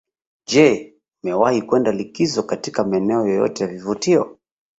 Je umewahi kwenda likizo katika maeneo yoyote ya vivutio